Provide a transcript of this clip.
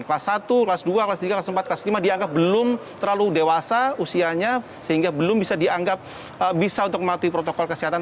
kelas satu kelas dua kelas tiga kelas empat kelas lima dianggap belum terlalu dewasa usianya sehingga belum bisa dianggap bisa untuk mematuhi protokol kesehatan